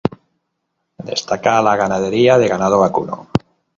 Destaca la ganadería de ganado vacuno.